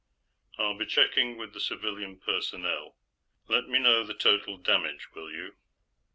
"I'll be checking with the civilian personnel. Let me know the total damage, will you?"